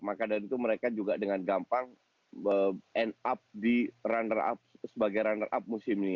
maka dari itu mereka juga dengan gampang end up runner up sebagai runner up musim ini